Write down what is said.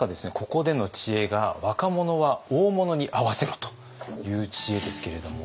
ここでの知恵が「若者は大物に会わせろ！」という知恵ですけれども。